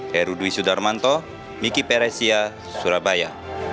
herudwi sudarmanto miki peresia surabaya